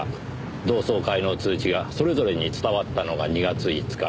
同窓会の通知がそれぞれに伝わったのが２月５日。